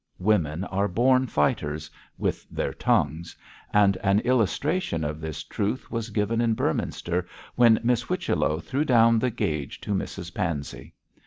Women are born fighters with their tongues; and an illustration of this truth was given in Beorminster when Miss Whichello threw down the gage to Mrs Pansey.